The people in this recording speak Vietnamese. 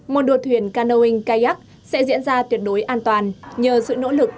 môn đua thuyền canoing kayak sẽ diễn ra tuyệt đối an toàn nhờ sự nỗ lực